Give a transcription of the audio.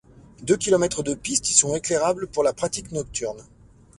Deux km de pistes y sont éclairables pour la pratique nocturne.